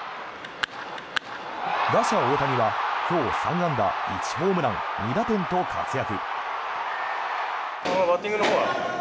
打者・大谷は今日３安打１ホームラン２打点と活躍。